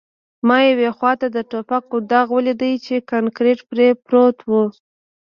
ما یوې خواته د ټوپک کنداغ ولید چې کانکریټ پرې پروت و